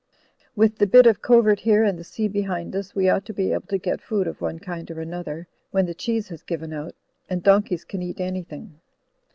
With the bit of covert here and the sea behind us we ought to be able to get food of one kind or another, when the cheese has given out, and donkeys can eat anything.